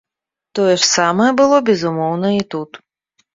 Тое ж самае было, безумоўна, і тут.